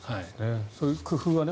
そういう工夫はね。